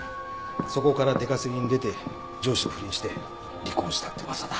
そこから出稼ぎに出て上司と不倫して離婚したって噂だ。